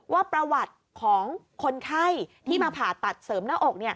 ว่าประวัติของคนไข้ที่มาผ่าตัดเสริมหน้าอก